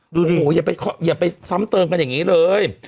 ดูดิอย่าไปอย่าไปซ้ำเติมกันอย่างงี้เลย